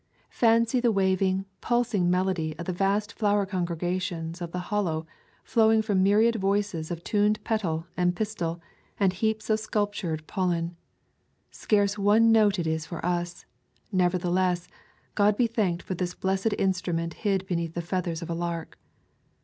Fancy the waving, pulsing melody of the vast flower congregations of the Hollow flowing from myriad voices of tuned petal and pistil, and heaps of sculptured pollen. Scarce one note is for us; nevertheless, God be thanked for this blessed instrument hid beneath the feathers of a lark.